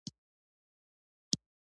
یورانیم د افغانستان د زرغونتیا نښه ده.